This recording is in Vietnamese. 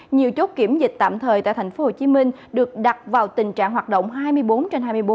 nhiều chốt kiểm dịch tạm thời tại tp hcm được đặt vào tình trạng hoạt động hai mươi bốn trên hai mươi bốn